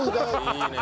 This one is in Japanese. いいね。